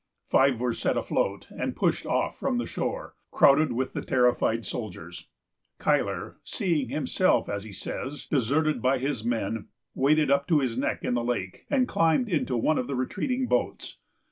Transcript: Five were set afloat, and pushed off from the shore, crowded with the terrified soldiers. Cuyler, seeing himself, as he says, deserted by his men, waded up to his neck in the lake, and climbed into one of the retreating boats.